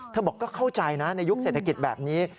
บอกก็เข้าใจนะในยุคเศรษฐกิจแบบนี้